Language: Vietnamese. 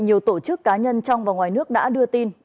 nhiều tổ chức cá nhân trong và ngoài nước đã đưa tin